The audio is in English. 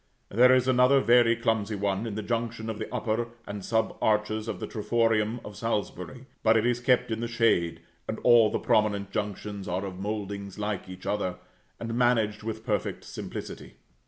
There is another very clumsy one, in the junction of the upper and sub arches of the triforium of Salisbury; but it is kept in the shade, and all the prominent junctions are of mouldings like each other, and managed with perfect simplicity.